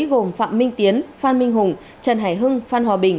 gồm phạm minh tiến phan minh hùng trần hải hưng phan hòa bình